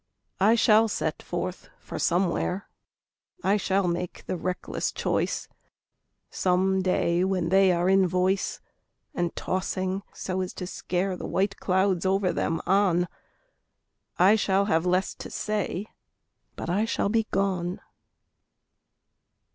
I shall set forth for somewhere, I shall make the reckless choice Some day when they are in voice And tossing so as to scare The white clouds over them on. I shall have less to say, But I shall be gone.